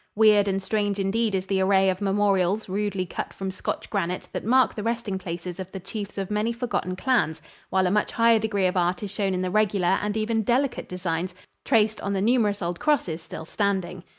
Weird and strange indeed is the array of memorials rudely cut from Scotch granite that mark the resting places of the chiefs of many forgotten clans, while a much higher degree of art is shown in the regular and even delicate designs traced on the numerous old crosses still standing.